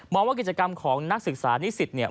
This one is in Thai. ว่ากิจกรรมของนักศึกษานิสิตเนี่ย